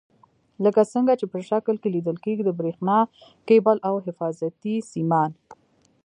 لکه څنګه چې په شکل کې لیدل کېږي د برېښنا کیبل او حفاظتي سیمان.